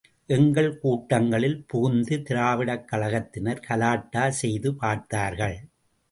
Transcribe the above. எங்கள் கூட்டங்களில் புகுந்து திராவிடக் கழகத்தினர் கலாட்டா செய்து பார்த்தார்கள்.